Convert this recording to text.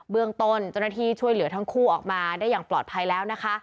เรื่องต้นเจ้าหน้าที่ช่วยเหลือทั้งคู่ออกมาได้อย่างปลอดภัยแล้วนะคะ